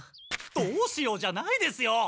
「どうしよう？」じゃないですよ！